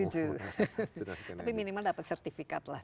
tapi minimal dapat sertifikat